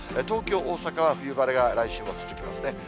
東京、大阪は冬晴れが来週も続きますね。